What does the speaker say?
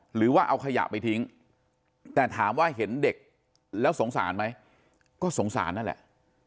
หรือว่าเอาขยะไปทิ้งแต่ถามว่าเห็นเด็กแล้วสงสารไหมก็สงสารนั่นแหละ